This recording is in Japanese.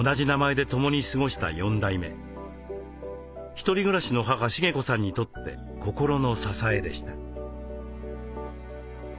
一人暮らしの母・茂子さんにとって心の支えでした。